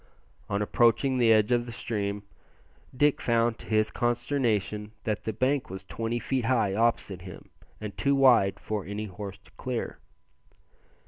On approaching the edge of the stream, Dick found to his consternation that the bank was twenty feet high opposite him, and too wide for any horse to clear.